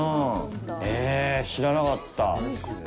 ええ、知らなかった。